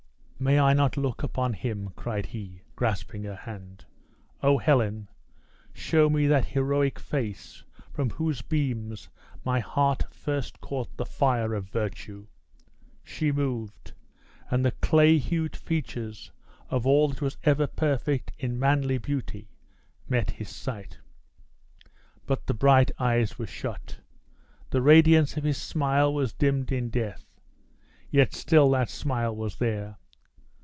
"May I not look upon him?" cried he, grasping her hand. "Oh! Helen, show me that heroic face from whose beams my heart first caught the fire of virtue!" She moved; and the clay hued features of all that was ever perfect in manly beauty met his sight. But the bright eyes were shut; the radiance of his smile was dimmed in death, yet still that smile was there.